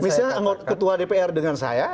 misalnya ketua dpr dengan saya